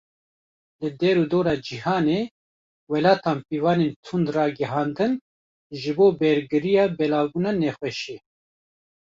Li derûdora cîhanê, welatan pîvanên tund ragihandin ji bo bergiriya belavbûna nexweşiyê.